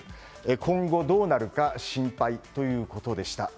今後どうなるか心配ということでした。